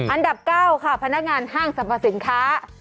อันดับ๙ค่ะพนักงานห้างสรรพสินค้า